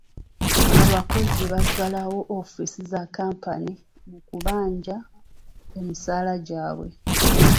Abakozi baggalawo woofiisi za kkampuni mu kubanja emisaala gyabwe.